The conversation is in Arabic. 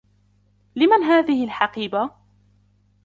لمن هذه الحقيبة ؟